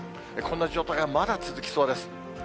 こんな状態がまだ続きそうです。